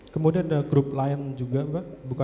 kemudian ada grup lain juga mbak